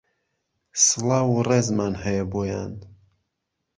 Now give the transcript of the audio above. سڵاو و رێزمان هەیە بۆیان